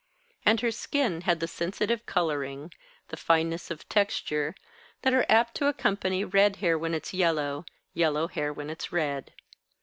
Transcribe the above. And her skin had the sensitive colouring, the fineness of texture, that are apt to accompany red hair when it's yellow, yellow hair when it's red.